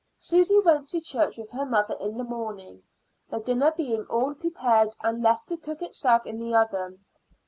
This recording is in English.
Susy went to church with her mother in the morning, the dinner being all prepared and left to cook itself in the oven.